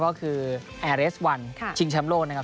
ก็คือแอร์เรสวันค่ะชิงชำโลกนะครับ